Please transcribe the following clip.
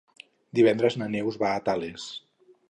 Divendres na Neus va a Tales.